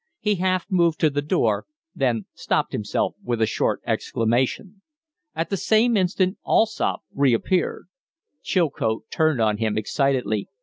He half moved to the door, then stopped himself with a short exclamation. At the same instant Allsopp reappeared. Chilcote turned on him excitedly.